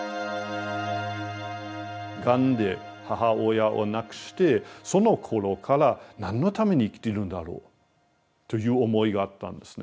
がんで母親を亡くしてそのころから何のために生きているんだろうという思いがあったんですね。